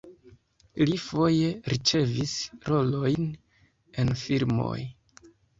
Li foje ricevis rolojn en filmoj.